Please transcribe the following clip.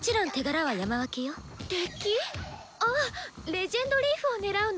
あっ「レジェンドリーフ」を狙うの？